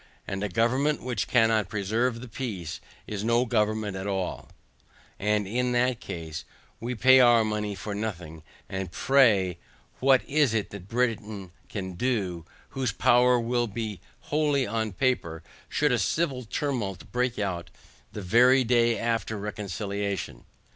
And a government which cannot preserve the peace, is no government at all, and in that case we pay our money for nothing; and pray what is it that Britain can do, whose power will be wholly on paper, should a civil tumult break out the very day after reconciliation?